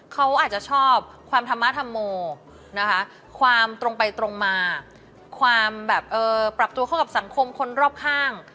เขาอาจจะชอบความธรรมธรรโมนะคะความตรงไปตรงมาความแบบปรับตัวเข้ากับสังคมคนรอบข้าง